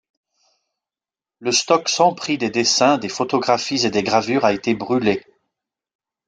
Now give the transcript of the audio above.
Le stock sans prix des dessins, des photographies et des gravures a été brûlé...